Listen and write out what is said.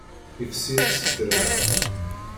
Yekkes-iyi-tt s draɛ.